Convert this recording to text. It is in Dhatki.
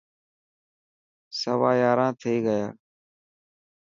سوا ياران ٿي گيا.